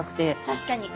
確かに。